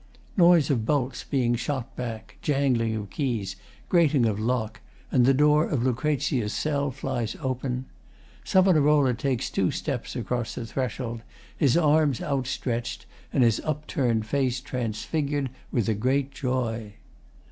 Noise of bolts being shot back, jangling of keys, grating of lock, and the door of LUC.'S cell flies open. SAV. takes two steps across the threshold, his arms outstretched and his upturned face transfigured with a great joy.